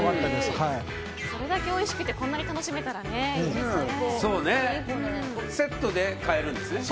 それだけおいしくてこれだけ楽しめたらいいですね。